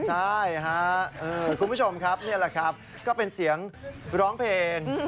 ใช่ครับคุณผู้ชมครับนี่แหละครับก็เป็นเสียงร้องเพลง